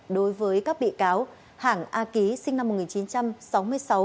đối với các bị cáo hàng a ký sinh năm một nghìn chín trăm sáu mươi sáu